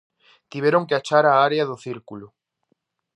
Tiveron que achar a área do círculo.